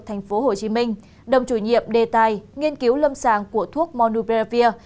tp hcm đồng chủ nhiệm đề tài nghiên cứu lâm sàng của thuốc monopiravir